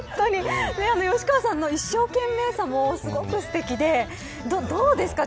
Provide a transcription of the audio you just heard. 吉川さんの一生懸命さもすごく、すてきでどうですか。